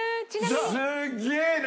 すげえな！